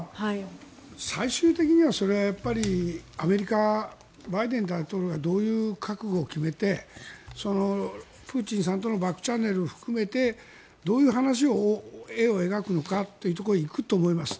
最終的にはそれはやっぱりアメリカ、バイデン大統領がどういう覚悟を決めてプーチンさんとのバックチャンネルを含めてどういう話絵を描くのかというところに行くと思います。